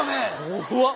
怖っ！